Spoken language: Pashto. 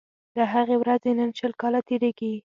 له هغې ورځي نن شل کاله تیریږي